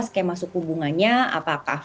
skema suku bunganya apakah